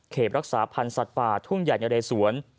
เข็บรักษาพันธุ์สัตว์ป่าทุ่งใหญ่ในระยะสวน